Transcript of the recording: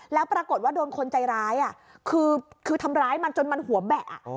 แล้วปรากฏว่าโดนคนใจร้ายคือทำร้ายมันจนมันหัวแบะ